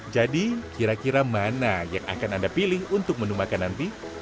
jadi kira kira mana yang akan anda pilih untuk menu makan nanti